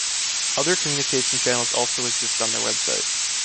Other communication channels also exist on their website.